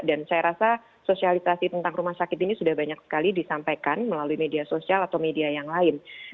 dan saya rasa sosialisasi tentang rumah sakit ini sudah banyak sekali disampaikan melalui media sosial atau media yang lain